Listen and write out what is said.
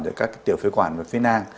rồi các tiểu phế quản và phế nang